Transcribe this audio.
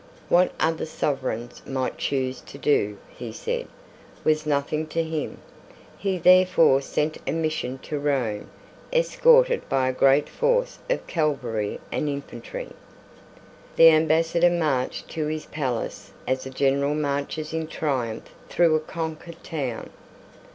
What other sovereigns might choose to do, he said, was nothing to him. He therefore sent a mission to Rome, escorted by a great force of cavalry and infantry. The Ambassador marched to his palace as a general marches in triumph through a conquered town.